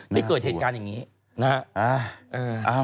ที่เกิดเหตุการณ์อย่างนี้นะฮะ